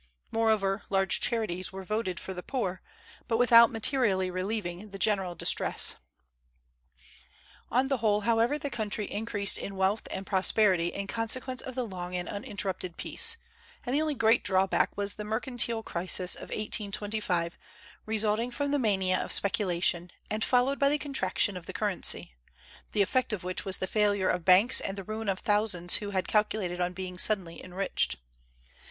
Moreover, large charities were voted for the poor, but without materially relieving the general distress. On the whole, however, the country increased in wealth and prosperity in consequence of the long and uninterrupted peace; and the only great drawback was the mercantile crisis of 1825, resulting from the mania of speculation, and followed by the contraction of the currency, the effect of which was the failure of banks and the ruin of thousands who had calculated on being suddenly enriched.